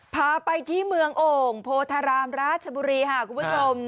พาไปที่เมืองโอ่งโพธารามราชบุรีค่ะคุณผู้ชม